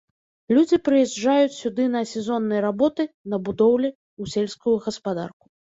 Людзі прыязджаюць сюды на сезонныя работы, на будоўлі, у сельскую гаспадарку.